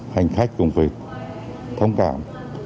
hành khách cũng phải thông cảm